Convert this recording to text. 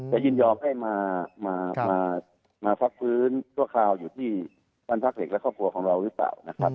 ยินยอมให้มาพักฟื้นชั่วคราวอยู่ที่บ้านพักเด็กและครอบครัวของเราหรือเปล่านะครับ